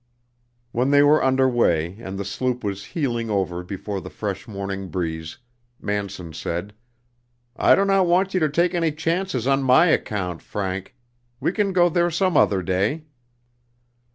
When they were under way and the sloop was heeling over before the fresh morning breeze, Manson said: "I do not want you to take any chances on my account, Frank. We can go there some other day."